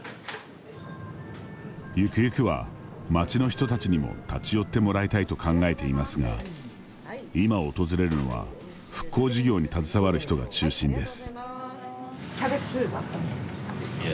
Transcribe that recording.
ゆくゆくは町の人たちにも立ち寄ってもらいたいと考えていますが、今、訪れるのは復興事業に携わる人が中心です。